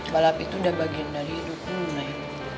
balap itu udah bagian dari hidupmu neng